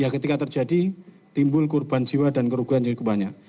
ketika terjadi timbul korban jiwa dan kerugian cukup banyak